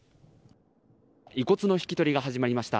遺骨の引き取りが始まりました。